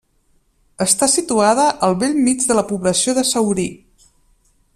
Està situada al bell mig de la població de Saurí.